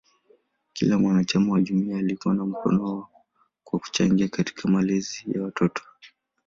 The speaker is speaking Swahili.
Kila mwanachama wa jumuiya alikuwa na mkono kwa kuchangia katika malezi ya mtoto.